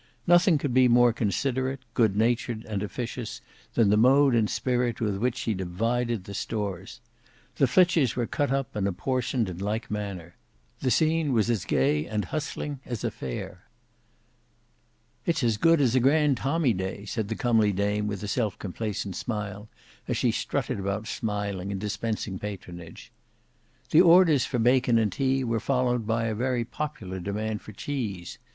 Nothing could be more considerate, good natured, and officious, than the mode and spirit with which she divided the stores. The flitches were cut up and apportioned in like manner. The scene was as gay and hustling as a fair. "It's as good as a grand tommy day," said the comely dame with a self complacent smile as she strutted about smiling and dispensing patronage. The orders for bacon and tea were followed by a very popular demand for cheese.